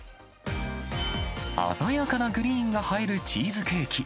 鮮やかなグリーンが映えるチーズケーキ。